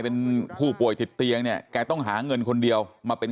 เป็นผู้ป่วยติดเตียงเนี่ยแกต้องหาเงินคนเดียวมาเป็น